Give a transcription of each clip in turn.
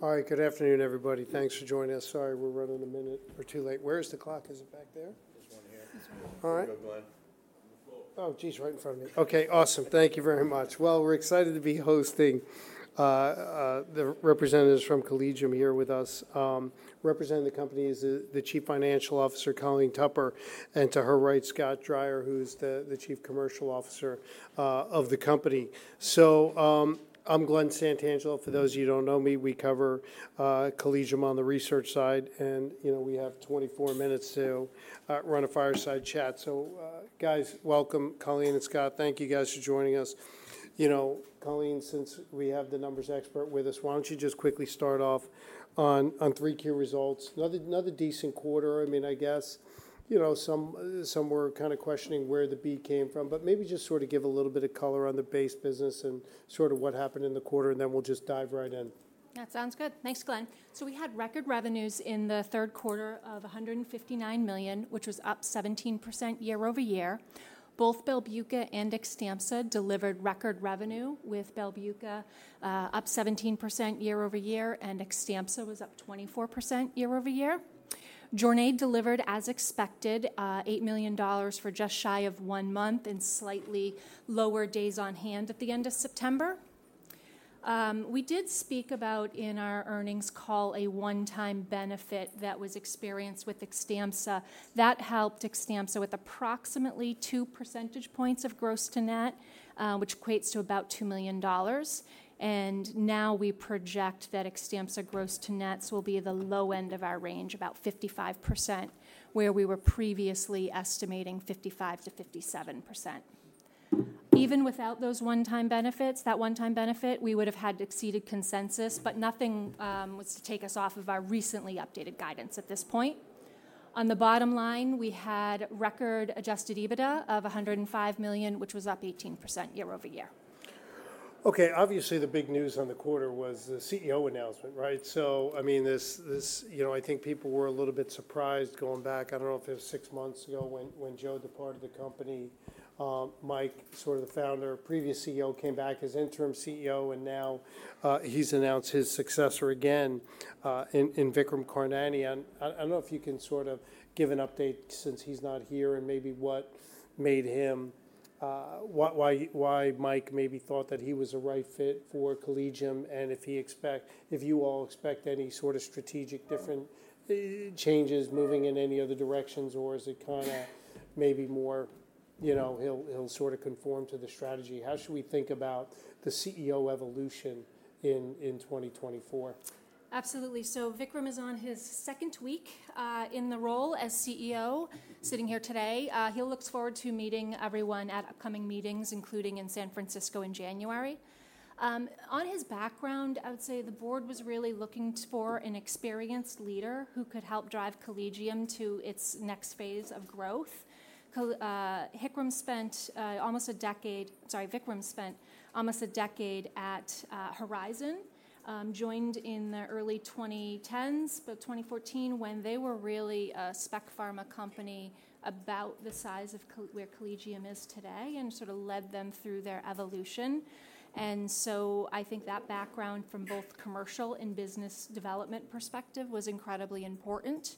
Alright, good afternoon everybody. Thanks for joining us. Sorry, we're running a minute late. Where's the clock? Is it back there? This one here. Alright. Go ahead. Oh, geez, right in front of me. Okay, awesome. Thank you very much. Well, we're excited to be hosting the representatives from Collegium here with us. Representing the company is the Chief Financial Officer, Colleen Tupper, and to her right, Scott Dreyer, who's the Chief Commercial Officer of the company. So I'm Glen Santangelo. For those of you who don't know me, we cover Collegium on the research side, and you know we have 24 minutes to run a fireside chat. So guys, welcome, Colleen and Scott. Thank you guys for joining us. You know, Colleen, since we have the numbers expert with us, why don't you just quickly start off on three key results? Another decent quarter. I mean, I guess, you know, some were kind of questioning where the beat came from, but maybe just sort of give a little bit of color on the base business and sort of what happened in the quarter, and then we'll just dive right in. That sounds good. Thanks, Glen. So we had record revenues in the third quarter of $159 million, which was up 17% year-over-year. Both Belbuca and Xtampza delivered record revenue, with Belbuca up 17% year-over-year, and Xtampza was up 24% year-over-year. JORNAY PM delivered, as expected, $8 million for just shy of one month and slightly lower days on hand at the end of September. We did speak about, in our earnings call, a one-time benefit that was experienced with Xtampza. That helped Xtampza with approximately two percentage points of gross to net, which equates to about $2 million. And now we project that Xtampza gross to nets will be the low end of our range, about 55%, where we were previously estimating 55%-57%. Even without those one-time benefits, that one-time benefit, we would have had exceeded consensus, but nothing was to take us off of our recently updated guidance at this point. On the bottom line, we had record Adjusted EBITDA of $105 million, which was up 18% year-over-year. Okay, obviously the big news on the quarter was the CEO announcement, right? So, I mean, this, you know, I think people were a little bit surprised going back, I don't know if it was six months ago when Joe departed the company, Mike, sort of the founder, previous CEO, came back as interim CEO, and now he's announced his successor again in Vikram Karnani. I don't know if you can sort of give an update since he's not here and maybe what made him, why Mike maybe thought that he was a right fit for Collegium, and if he expects, if you all expect any sort of strategic different changes, moving in any other directions, or is it kind of maybe more, you know, he'll sort of conform to the strategy? How should we think about the CEO evolution in 2024? Absolutely, so Vikram is on his second week in the role as CEO, sitting here today. He looks forward to meeting everyone at upcoming meetings, including in San Francisco in January. On his background, I would say the board was really looking for an experienced leader who could help drive Collegium to its next phase of growth. Vikram spent almost a decade, sorry, Vikram spent almost a decade at Horizon, joined in the early 2010s, but 2014, when they were really a spec pharma company about the size of where Collegium is today, and sort of led them through their evolution, and so I think that background from both commercial and business development perspective was incredibly important.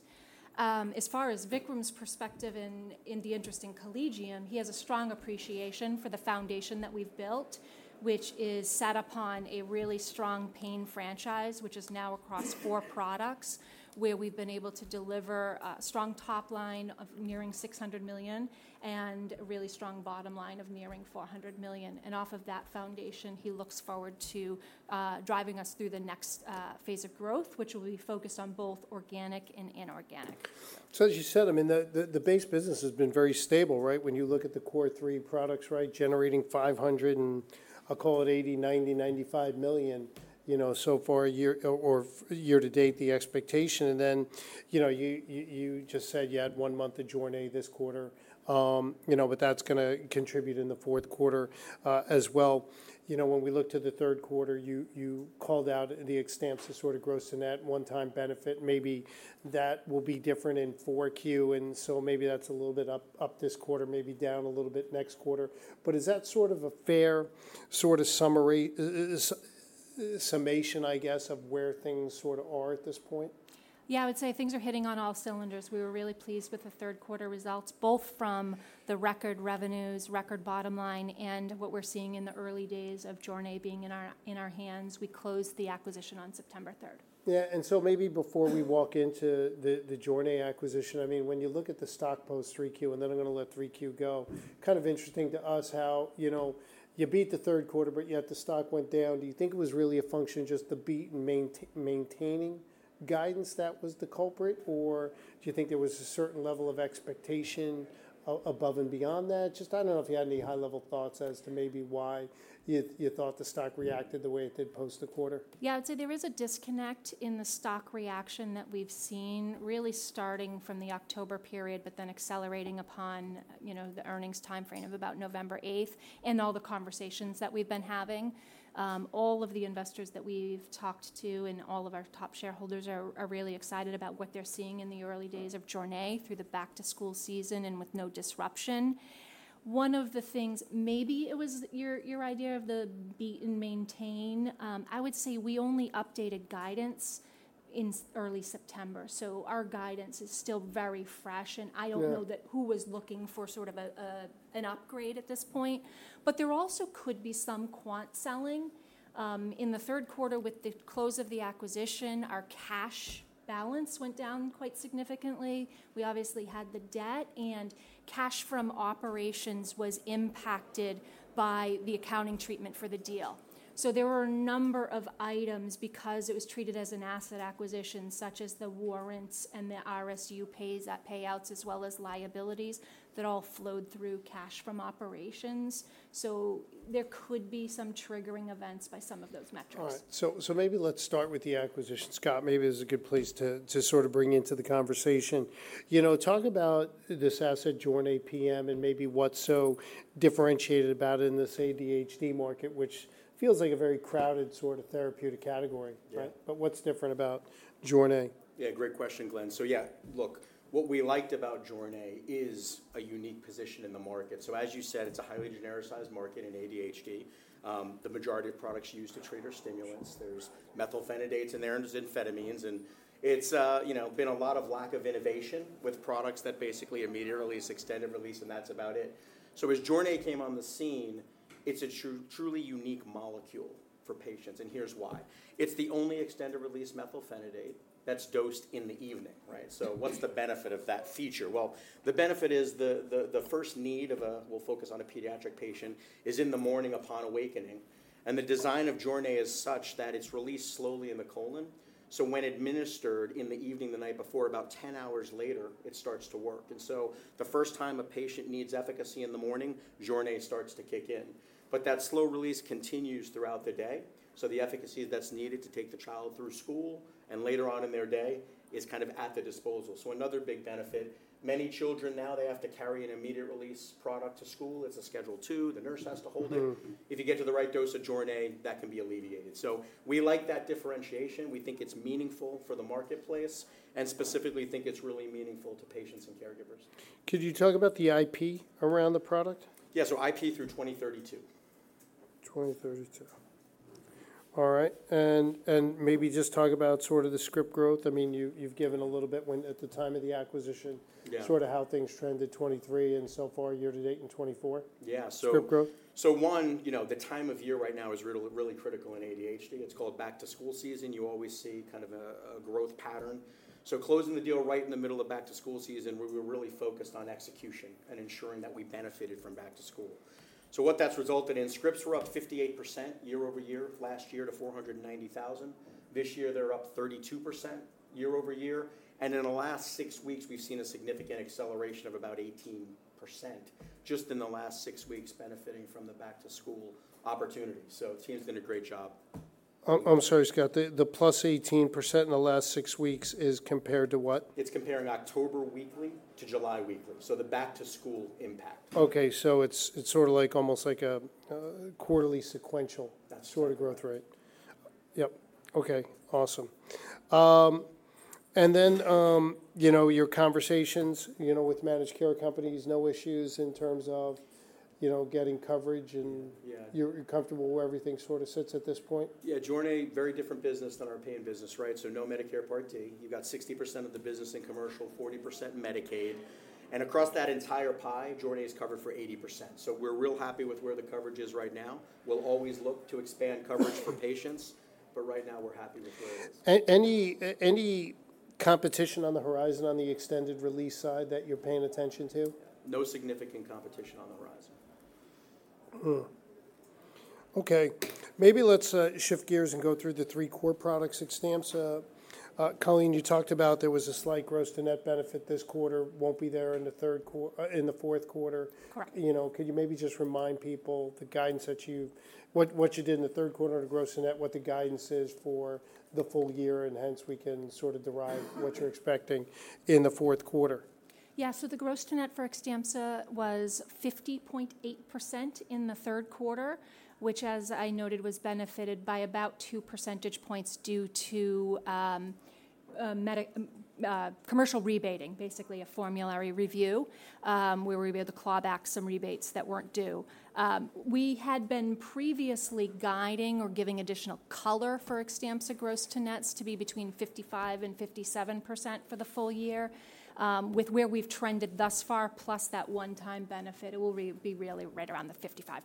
As far as Vikram's perspective in the interest in Collegium, he has a strong appreciation for the foundation that we've built, which is set upon a really strong pain franchise, which is now across four products, where we've been able to deliver a strong top line of nearing $600 million and a really strong bottom line of nearing $400 million. And off of that foundation, he looks forward to driving us through the next phase of growth, which will be focused on both organic and inorganic. As you said, I mean, the base business has been very stable, right? When you look at the core three products, right, generating $500 million and I'll call it $80 million, $90 million, $95 million, you know, so far a year or year-to-date, the expectation. And then, you know, you just said you had one month of JORNAY PM this quarter, you know, but that's going to contribute in the fourth quarter as well. You know, when we looked at the third quarter, you called out the Xtampza ER sort of gross to net one-time benefit. Maybe that will be different in 4Q, and so maybe that's a little bit up this quarter, maybe down a little bit next quarter. But is that sort of a fair sort of summary, summation, I guess, of where things sort of are at this point? Yeah, I would say things are hitting on all cylinders. We were really pleased with the third quarter results, both from the record revenues, record bottom line, and what we're seeing in the early days of JORNAY PM being in our hands. We closed the acquisition on September 3rd. Yeah, and so maybe before we walk the JORNAY PM acquisition, I mean, when you look at the stock post Q3, and then I'm going to let Q3 go, kind of interesting to us how, you know, you beat the third quarter, but yet the stock went down. Do you think it was really a function of just the beat and maintaining guidance that was the culprit, or do you think there was a certain level of expectation above and beyond that? Just, I don't know if you had any high-level thoughts as to maybe why you thought the stock reacted the way it did post the quarter. Yeah, I would say there is a disconnect in the stock reaction that we've seen really starting from the October period, but then accelerating upon, you know, the earnings timeframe of about November 8th and all the conversations that we've been having. All of the investors that we've talked to and all of our top shareholders are really excited about what they're seeing in the early days of JORNAY PM through the back-to-school season and with no disruption. One of the things, maybe it was your idea of the beat and maintain. I would say we only updated guidance in early September, so our guidance is still very fresh, and I don't know who was looking for sort of an upgrade at this point. But there also could be some quant selling. In the third quarter, with the close of the acquisition, our cash balance went down quite significantly. We obviously had the debt, and Cash from operations was impacted by the accounting treatment for the deal. So there were a number of items because it was treated as an asset acquisition, such as the warrants and the RSU payouts, as well as liabilities that all flowed through cash from operations. So there could be some triggering events by some of those metrics. Alright, so maybe let's start with the acquisition. Scott, maybe this is a good place to sort of bring into the conversation. You know, talk about this JORNAY PM, and maybe what's so differentiated about it in this ADHD market, which feels like a very crowded sort of therapeutic category, right? But what's different about JORNAY PM? Yeah, great question, Glen. So, yeah, look, what we about JORNAY PM is a unique position in the market. So as you said, it's a highly genericized market in ADHD. The majority of products used to treat are stimulants. There's methylphenidates in there, and there's amphetamines, and it's, you know, been a lot of lack of innovation with products that basically immediate release, extended release, and that's about it. as JORNAY PM came on the scene, it's a truly unique molecule for patients, and here's why. It's the only extended release methylphenidate that's dosed in the evening, right? So what's the benefit of that feature? Well, the benefit is the first need of a, we'll focus on a pediatric patient, is in the morning upon awakening, and the of JORNAY PM is such that it's released slowly in the colon. When administered in the evening the night before, about 10 hours later, it starts to work. And so the first time a patient needs efficacy in the morning, JORNAY PM starts to kick in. But that slow release continues throughout the day. So the efficacy that's needed to take the child through school and later on in their day is kind of at the disposal. So another big benefit, many children now, they have to carry an immediate release product to school. It's a Schedule II. The nurse has to hold it. If you get to the right dose of JORNAY PM, that can be alleviated. So we like that differentiation. We think it's meaningful for the marketplace and specifically think it's really meaningful to patients and caregivers. Could you talk about the IP around the product? Yeah, so IP through 2032. Alright, and maybe just talk about sort of the script growth. I mean, you've given a little bit at the time of the acquisition, sort of how things trended 2023 and so far year to date in 2024. Yeah, so one, you know, the time of year right now is really critical in ADHD. It's called back-to-school season. You always see kind of a growth pattern. So closing the deal right in the middle of back-to-school season, we were really focused on execution and ensuring that we benefited from back-to-school. So what that's resulted in, scripts were up 58% year-over-year. Last year, to $490,000. This year, they're up 32% year-over-year. And in the last six weeks, we've seen a significant acceleration of about 18% just in the last six weeks, benefiting from the back-to-school opportunity. So the team's done a great job. I'm sorry, Scott, the plus 18% in the last six weeks is compared to what? It's comparing October weekly to July weekly, so the back-to-school impact. Okay, so it's sort of like almost like a quarterly sequential sort of growth rate. Yep. Okay, awesome. And then, you know, your conversations, you know, with managed care companies, no issues in terms of, you know, getting coverage and you're comfortable where everything sort of sits at this point? Yeah, JORNAY PM, very different business than our pain business, right? So no Medicare Part D. You've got 60% of the business in commercial, 40% Medicaid. And across that entire pie, JORNAY PM is covered for 80%. So we're real happy with where the coverage is right now. We'll always look to expand coverage for patients, but right now we're happy with where it is. Any competition on the horizon on the extended release side that you're paying attention to? No significant competition on the horizon. Okay, maybe let's shift gears and go through the three core products Xtampza. Colleen, you talked about there was a slight gross to net benefit this quarter, won't be there in the fourth quarter. You know, could you maybe just remind people the guidance that you, what you did in the third quarter to gross to net, what the guidance is for the full year, and hence we can sort of derive what you're expecting in the fourth quarter? Yeah, so the gross to net for Xtampza was 50.8% in the third quarter, which, as I noted, was benefited by about two percentage points due to commercial rebating, basically a formulary review where we were able to claw back some rebates that weren't due. We had been previously guiding or giving additional color for Xtampza gross to nets to be between 55% and 57% for the full year. With where we've trended thus far, plus that one-time benefit, it will be really right around the 55%.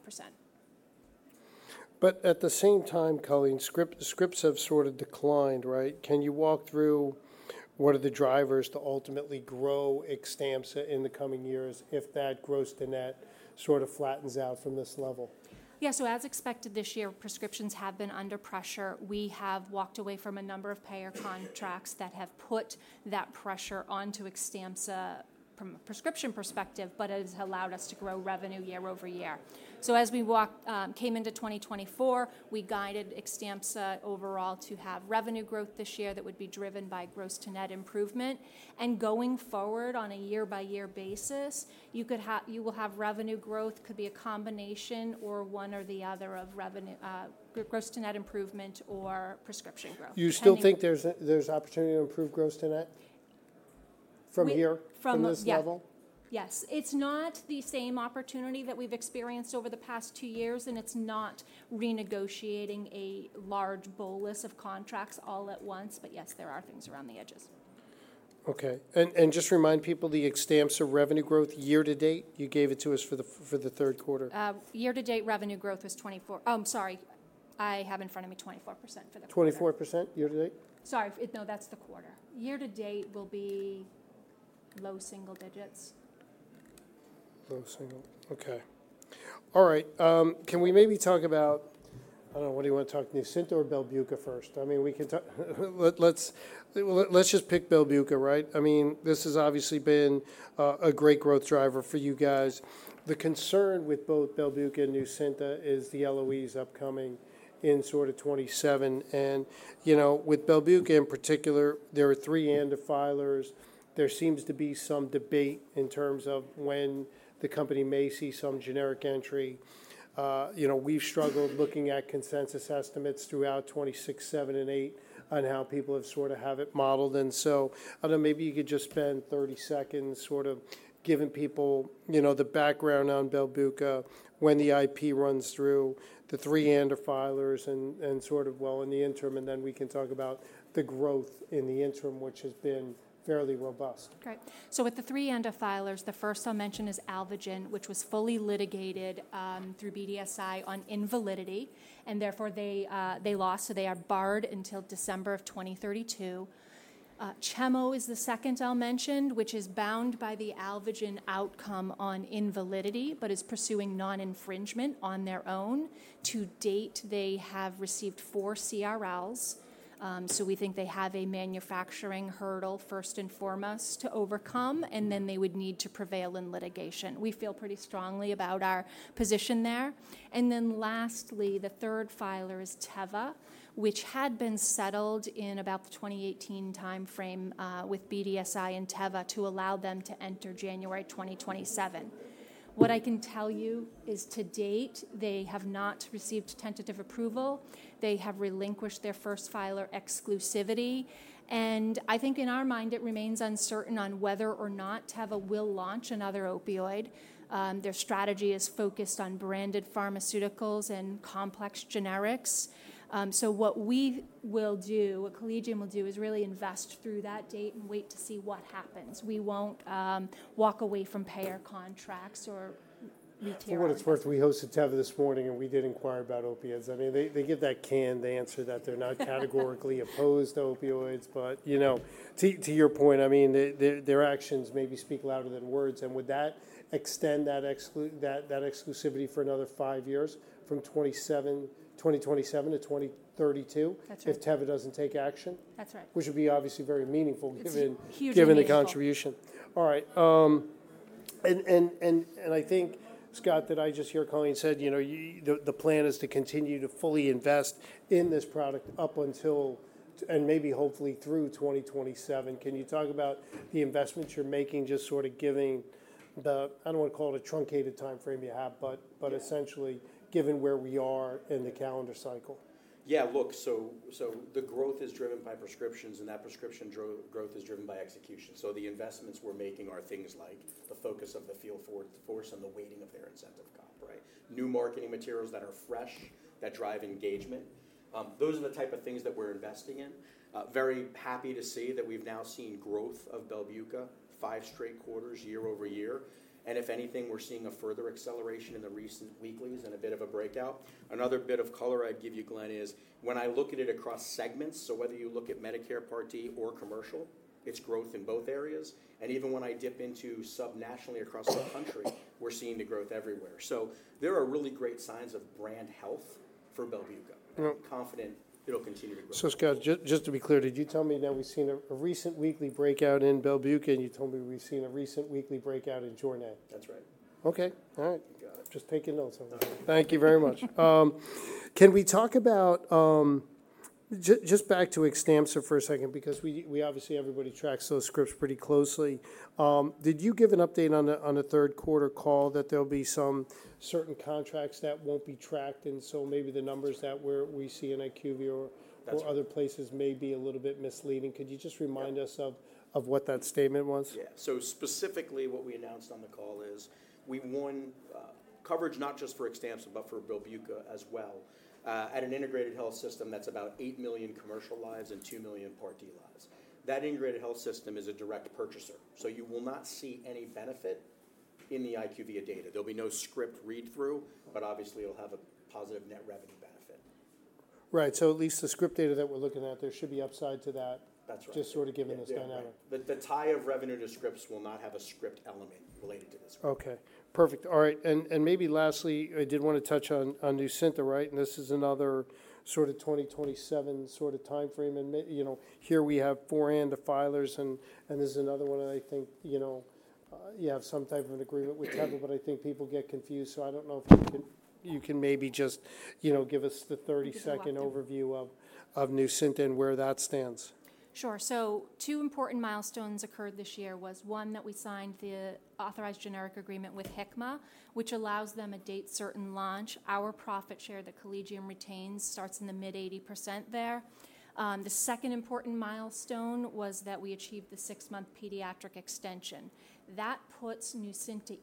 But at the same time, Colleen, scripts have sort of declined, right? Can you walk through what are the drivers to ultimately grow Xtampza in the coming years if that gross to net sort of flattens out from this level? Yeah, so as expected this year, prescriptions have been under pressure. We have walked away from a number of payer contracts that have put that pressure onto Xtampza from a prescription perspective, but it has allowed us to grow revenue year-over-year. So as we came into 2024, we guided Xtampza overall to have revenue growth this year that would be driven by gross to net improvement. And going forward on a year-by-year basis, you will have revenue growth, could be a combination or one or the other of revenue, gross to net improvement or prescription growth. You still think there's opportunity to improve gross to net from here in this level? Yes, it's not the same opportunity that we've experienced over the past two years, and it's not renegotiating a large bolus of contracts all at once, but yes, there are things around the edges. Okay, and just remind people the Xtampza revenue growth year-to-date, you gave it to us for the third quarter. Year-to-date revenue growth was 24%, oh sorry, I have in front of me 24% for the quarter. 24% year-to-date? Sorry, no, that's the quarter. Year to date will be low single digits. Low single, okay. Alright, can we maybe talk about, I don't know, what do you want to talk, Nucynta or Belbuca first? I mean, we can talk, let's just pick Belbuca, right? I mean, this has obviously been a great growth driver for you guys. The concern with both Belbuca and Nucynta is the LOEs upcoming in sort of 2027. You know, with Belbuca in particular, there are three ANDA filers. There seems to be some debate in terms of when the company may see some generic entry. You know, we've struggled looking at consensus estimates throughout 2026, 2027, and 2028 on how people have sort of had it modeled. And so, I don't know, maybe you could just spend 30 seconds sort of giving people, you know, the background on Belbuca, when the IP runs out, the three ANDA filers, and sort of, well, in the interim, and then we can talk about the growth in the interim, which has been fairly robust. Okay, so with the three ANDA filers, the first I'll mention is Alvogen, which was fully litigated through BDSI on invalidity, and therefore they lost, so they are barred until December of 2032. Chemo is the second I'll mention, which is bound by the Alvogen outcome on invalidity, but is pursuing non-infringement on their own. To date, they have received four CRLs, so we think they have a manufacturing hurdle first and foremost to overcome, and then they would need to prevail in litigation. We feel pretty strongly about our position there. And then lastly, the third filer is Teva, which had been settled in about the 2018 timeframe with BDSI and Teva to allow them to enter January 2027. What I can tell you is to date, they have not received tentative approval. They have relinquished their first filer exclusivity, and I think in our mind, it remains uncertain on whether or not Teva will launch another opioid. Their strategy is focused on branded pharmaceuticals and complex generics. So what we will do, what Collegium will do, is really invest through that date and wait to see what happens. We won't walk away from payer contracts or retailers. For what it's worth, we hosted Teva this morning, and we did inquire about opiates. I mean, they get that canned answer that they're not categorically opposed to opioids, but, you know, to your point, I mean, their actions maybe speak louder than words, and would that extend that exclusivity for another five years from 2027 to 2032 if Teva doesn't take action? That's right. Which would be obviously very meaningful given the contribution. Alright, and I think, Scott, that I just heard Colleen say, you know, the plan is to continue to fully invest in this product up until and maybe hopefully through 2027. Can you talk about the investments you're making, just sort of giving the, I don't want to call it a truncated timeframe you have, but essentially given where we are in the calendar cycle? Yeah, look, so the growth is driven by prescriptions, and that prescription growth is driven by execution. So the investments we're making are things like the focus of the field force and the weighting of their incentive comp, right? New marketing materials that are fresh, that drive engagement. Those are the type of things that we're investing in. Very happy to see that we've now seen growth of Belbuca, five straight quarters, year-over-year. And if anything, we're seeing a further acceleration in the recent weeklies and a bit of a breakout. Another bit of color I'd give you, Glen, is when I look at it across segments, so whether you look at Medicare Part D or commercial, it's growth in both areas. And even when I dip into subnationally across the country, we're seeing the growth everywhere. So there are really great signs of brand health for Belbuca. I'm confident it'll continue to grow. So Scott, just to be clear, did you tell me now we've seen a recent weekly breakout in Belbuca, and you told me we've seen a recent weekly breakout in JORNAY PM? That's right. Okay, alright. Just taking notes. Thank you very much. Can we talk about, just back to Xtampza for a second, because we obviously, everybody tracks those scripts pretty closely. Did you give an update on a third quarter call that there'll be some certain contracts that won't be tracked, and so maybe the numbers that we see in IQVIA or other places may be a little bit misleading? Could you just remind us of what that statement was? Yeah, so specifically what we announced on the call is we won coverage not just for Xtampza, but for Belbuca as well at an integrated health system that's about 8 million commercial lives and 2 million Part D lives. That integrated health system is a direct purchaser, so you will not see any benefit in the IQVIA data. There'll be no script read-through, but obviously it'll have a positive net revenue benefit. Right, so at least the script data that we're looking at there should be upside to that, just sort of given this dynamic. The tie of revenue to scripts will not have a script element related to this. Okay, perfect. Alright, and maybe lastly, I did want to touch on Nucynta, right? And this is another sort of 2027 sort of timeframe, and you know, here we have four ANDA filers, and there's another one that I think, you know, you have some type of an agreement with Teva, but I think people get confused, so I don't know if you can maybe just, you know, give us the 30-second overview of Nucynta and where that stands. Sure, so two important milestones occurred this year was one that we signed the authorized generic agreement with Hikma, which allows them a date certain launch. Our profit share that Collegium retains starts in the mid-80% there. The second important milestone was that we achieved the six-month pediatric extension. That puts Nucynta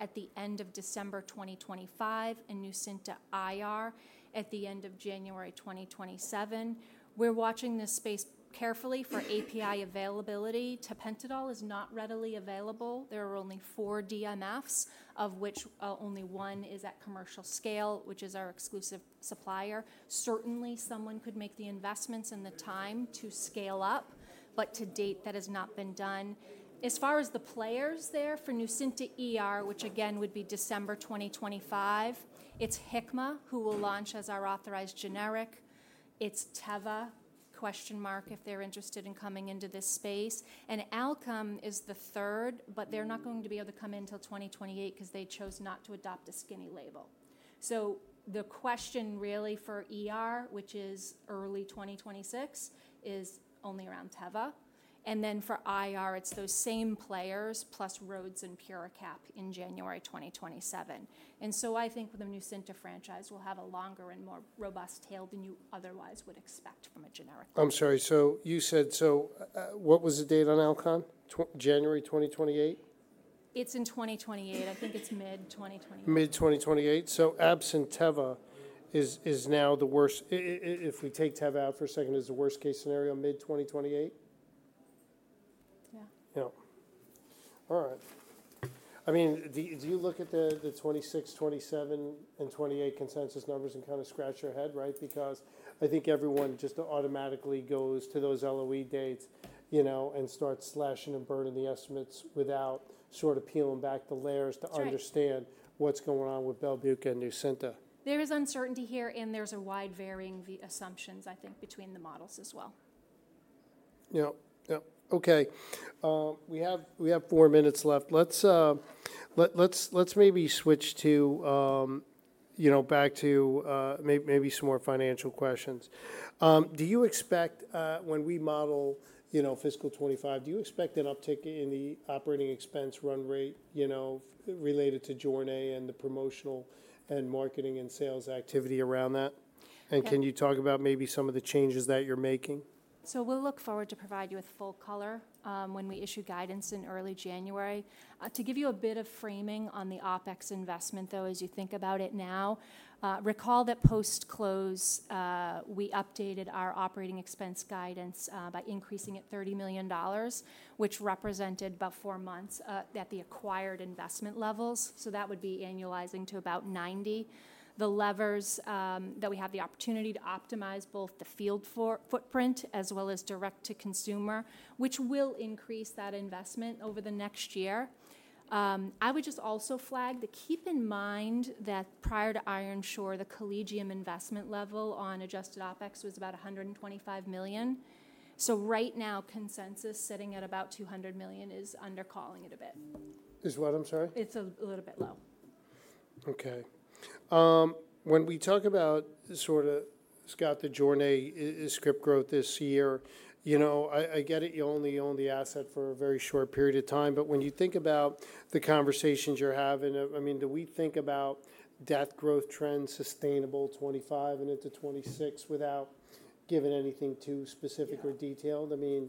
at the end of December 2025 and Nucynta IR at the end of January 2027. We're watching this space carefully for API availability. Tapentadol is not readily available. There are only four DMFs, of which only one is at commercial scale, which is our exclusive supplier. Certainly, someone could make the investments and the time to scale up, but to date, that has not been done. As far as the players there for Nucynta which again would be December 2025, it's Hikma who will launch as our authorized generic. It's Teva, question mark if they're interested in coming into this space. And Alkem is the third, but they're not going to be able to come in until 2028 because they chose not to adopt a skinny label. So the question really for which is early 2026, is only around Teva. And then for IR, it's those same players plus Rhodes and PuraCap in January 2027. And so I think with the Nucynta franchise, we'll have a longer and more robust tail than you otherwise would expect from a generic company. I'm sorry, so you said, so what was the date on Alkem? January 2028? It's in 2028. I think it's mid-2028. Mid-2028, so absent Teva is now the worst, if we take Teva out for a second, is the worst case scenario mid-2028? Yeah. Yeah, alright. I mean, do you look at the 2026, 2027, and 2028 consensus numbers and kind of scratch your head, right? Because I think everyone just automatically goes to those LOE dates, you know, and starts slashing and burning the estimates without sort of peeling back the layers to understand what's going on with Belbuca and Nucynta. There is uncertainty here, and there's a wide varying assumptions, I think, between the models as well. Yeah, yeah, okay. We have four minutes left. Let's maybe switch to, you know, back to maybe some more financial questions. Do you expect when we model, you know, fiscal 2025, do you expect an uptick in the operating expense run rate, you know, to JORNAY PM and the promotional and marketing and sales activity around that? And can you talk about maybe some of the changes that you're making? So we'll look forward to provide you with full color when we issue guidance in early January. To give you a bit of framing on the OpEx investment though, as you think about it now, recall that post-close, we updated our operating expense guidance by increasing it $30 million, which represented about four months at the acquired investment levels. So that would be annualizing to about $90 million. The levers that we have the opportunity to optimize both the field footprint as well as direct to consumer, which will increase that investment over the next year. I would just also flag that keep in mind that prior to Ironshore, the Collegium investment level on adjusted OpEx was about $125 million. So right now, consensus sitting at about $200 million is undercalling it a bit. Is what? I'm sorry. It's a little bit low. Okay, when we talk about sort of, Scott, the JORNAY PM script growth this year, you know, I get it, you only own the asset for a very short period of time, but when you think about the conversations you're having, I mean, do we think about that growth trend sustainable 2025 and into 2026 without giving anything too specific or detailed? I mean,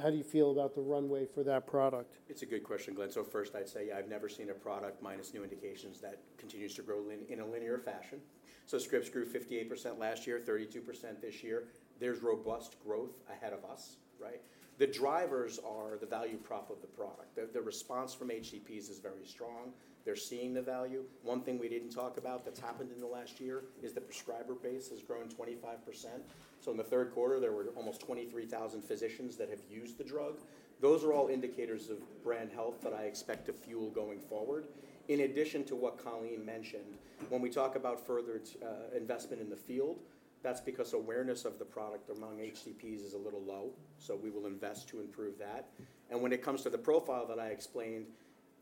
how do you feel about the runway for that product? It's a good question, Glen. So first I'd say, yeah, I've never seen a product minus new indications that continues to grow in a linear fashion. So scripts grew 58% last year, 32% this year. There's robust growth ahead of us, right? The drivers are the value prop of the product. The response from HCPs is very strong. They're seeing the value. One thing we didn't talk about that's happened in the last year is the prescriber base has grown 25%. So in the third quarter, there were almost 23,000 physicians that have used the drug. Those are all indicators of brand health that I expect to fuel going forward. In addition to what Colleen mentioned, when we talk about further investment in the field, that's because awareness of the product among HCPs is a little low, so we will invest to improve that. And when it comes to the profile that I explained,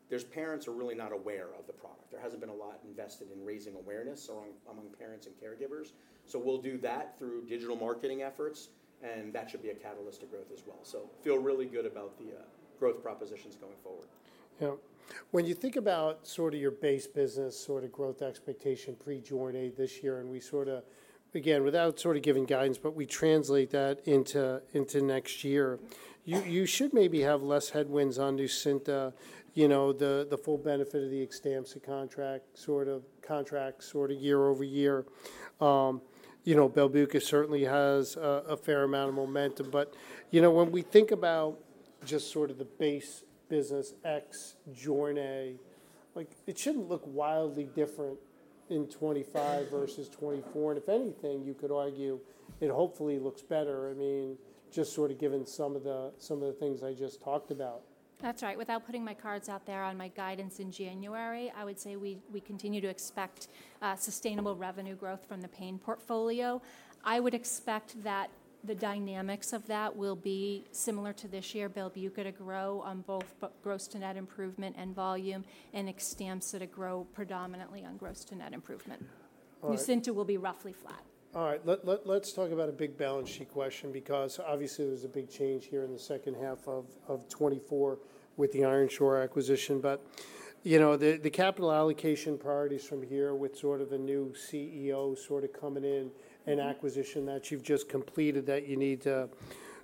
there's parents who are really not aware of the product. There hasn't been a lot invested in raising awareness among parents and caregivers. So we'll do that through digital marketing efforts, and that should be a catalyst to growth as well. So feel really good about the growth propositions going forward. Yeah, when you think about sort of your base business, sort of expectation pre-JORNAY PM this year, and we sort of, again, without sort of giving guidance, but we translate that into next year, you should maybe have less headwinds on Nucynta, you know, the full benefit of the Xtampza ER contract sort of year-over-year. You know, Belbuca certainly has a fair amount of momentum, but you know, when we think about just sort of the base ex-JORNAY PM, like it shouldn't look wildly different in 2025 versus 2024, and if anything, you could argue it hopefully looks better, I mean, just sort of given some of the things I just talked about. That's right. Without putting my cards out there on my guidance in January, I would say we continue to expect sustainable revenue growth from the pain portfolio. I would expect that the dynamics of that will be similar to this year, Belbuca to grow on both gross to net improvement and volume, and Xtampza to grow predominantly on gross to net improvement. Nucynta will be roughly flat. Alright, let's talk about a big balance sheet question because obviously there's a big change here in the second half of 2024 with the Ironshore acquisition, but you know, the capital allocation priorities from here with sort of a new CEO sort of coming in and acquisition that you've just completed that you need to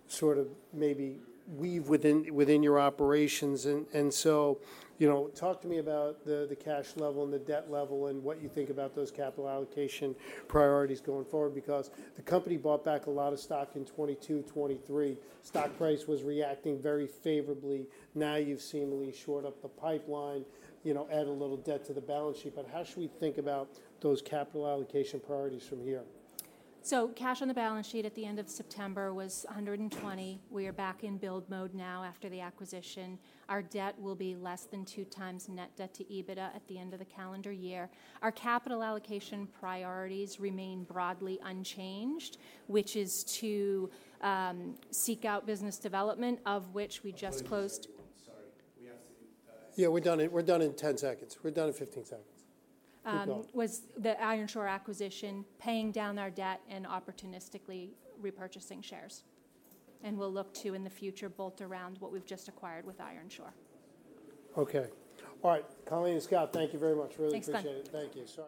sort of maybe weave within your operations. And so, you know, talk to me about the cash level and the debt level and what you think about those capital allocation priorities going forward because the company bought back a lot of stock in 2022, 2023. Stock price was reacting very favorably. Now you've seemingly shored up the pipeline, you know, add a little debt to the balance sheet, but how should we think about those capital allocation priorities from here? Cash on the balance sheet at the end of September was $120 million. We are back in build mode now after the acquisition. Our debt will be less than 2x net debt to EBITDA at the end of the calendar year. Our capital allocation priorities remain broadly unchanged, which is to seek out business development of which we just closed. Yeah, we're done in 10 seconds. We're done in 15 seconds. The Ironshore acquisition, paying down our debt and opportunistically repurchasing shares. And we'll look to in the future bolt around what we've just acquired with Ironshore. Okay, alright, Colleen and Scott, thank you very much. Really appreciate it. Thanks, so much. Thank you.